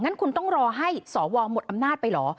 งั้นคุณต้องรอให้สวหมดอำนาจไปเหรอ